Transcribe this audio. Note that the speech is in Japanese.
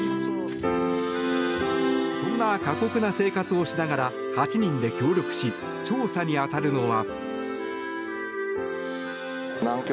そんな過酷な生活をしながら８人で協力し調査に当たるのは。